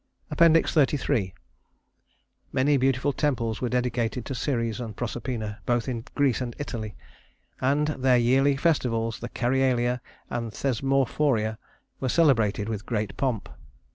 XXXIII Many beautiful temples were dedicated to Ceres and Proserpina, both in Greece and Italy; and their yearly festivals, the Cerealia and Thesmophoria, were celebrated with great pomp.